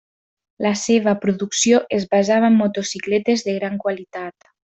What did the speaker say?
La seva producció es basava en motocicletes de gran qualitat.